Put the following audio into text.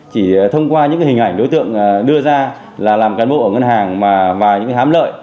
chỉ thông qua những hình ảnh đối tượng đưa ra là làm cán bộ ở ngân hàng mà những hám lợi